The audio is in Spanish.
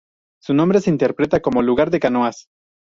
Su nombre se interpreta como "Lugar de canoas".